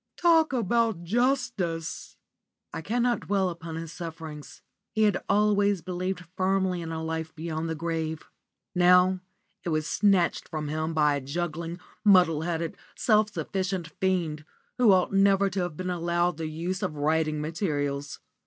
Talk about justice!" I cannot dwell upon his sufferings. He had always believed firmly in a life beyond the grave. Now it was snatched from him by a juggling, muddle headed, self sufficient fiend, who ought never to have been allowed the use of writing materials.